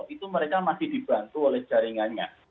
itu mereka masih dibantu oleh jaringannya